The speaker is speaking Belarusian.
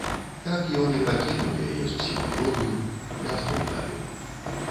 Так ён і пакінуў яе зусім хворую, без догляду.